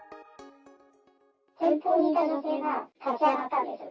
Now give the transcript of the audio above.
前方にいた女性が立ち上がったんです。